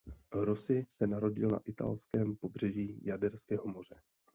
Rossi se narodil na italském pobřeží Jaderského moře.